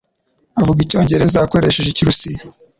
Avuga Icyongereza akoresheje Ikirusiya.